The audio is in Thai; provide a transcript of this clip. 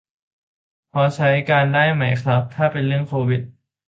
พอใช้การได้ไหมครับ ถ้าเป็นเรื่องโควิด